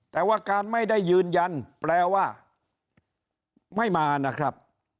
แต่ว่าการไม่ได้ยืนยันแปลว่าไม่มานะครับ